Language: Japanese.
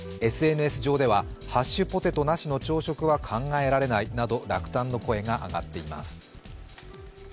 ＳＮＳ上ではハッシュポテトなしの朝食は考えられないなど、落胆の声が上がっています。